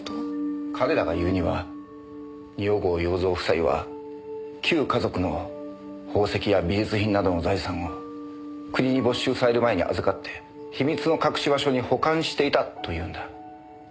彼らが言うには二百郷洋蔵夫妻は旧華族の宝石や美術品などの財産を国に没収される前に預かって秘密の隠し場所に保管していたというんだ。